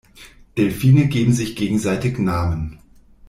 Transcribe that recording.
Delfine geben sich gegenseitig Namen.